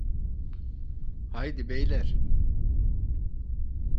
Haydi beyler!